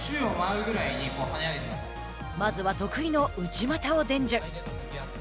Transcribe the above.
まずは、得意の内股を伝授。